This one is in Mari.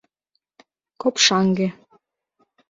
— Копшаҥге.